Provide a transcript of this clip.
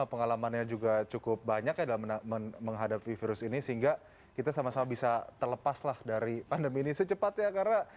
pengalamannya juga cukup banyak ya dalam menghadapi virus ini sehingga kita sama sama bisa terlepas lah dari pandemi ini secepat ya karena